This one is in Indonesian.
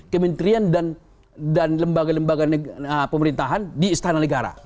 kementerian dan lembaga lembaga pemerintahan di istana negara